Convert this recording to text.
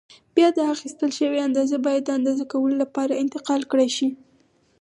بیا دا اخیستل شوې اندازه باید د اندازه کولو لپاره انتقال کړای شي.